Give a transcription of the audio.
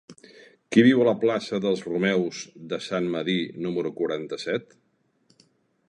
Qui viu a la plaça dels Romeus de Sant Medir número quaranta-set?